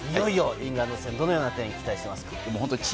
イングランド戦、どのような点に期待しますか？